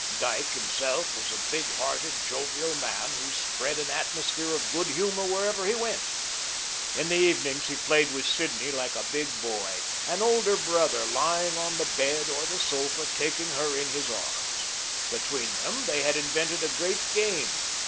Dyke, himself, was a big hearted, jovial man who spread an atmosphere of good humour wherever he went. In the evenings he played with Sidney like a big boy, an older brother, lying on the bed, or the sofa, taking her in his arms. Between them they had invented a great game.